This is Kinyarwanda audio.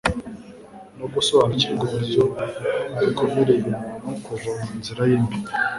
No gusobanukirwa uburyo bikomereye umuntu kuva mu nzira ye mbi.